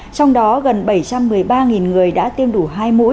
trong đó gần bảy trăm một mươi ba người đã tiêm đủ hai mũi